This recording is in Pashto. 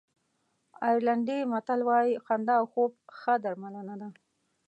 آیرلېنډي متل وایي خندا او خوب ښه درملنه ده.